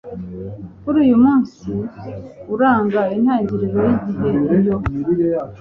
kuri uyumunsi uranga intangiriro yigihe iyo